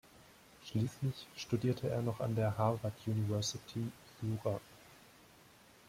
Schließlich studierte er noch an der Harvard University Jura.